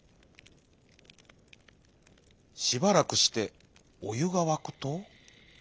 しばらくしておゆがわくと。